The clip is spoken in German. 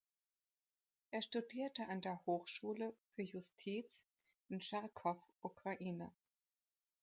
Er studierte an der Hochschule für Justiz in Charkow, Ukraine.